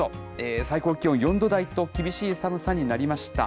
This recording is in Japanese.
最高気温４度台と、厳しい寒さになりました。